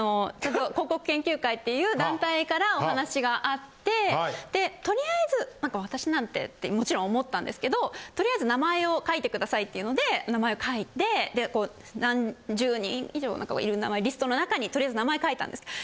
ちゃんと広告研究会っていう団体からお話があってとりあえずなんか私なんてってもちろん思ったんですけどとりあえず「名前を書いてください」っていうので名前を書いて何十人以上いる名前リストの中にとりあえず名前を書いたんです。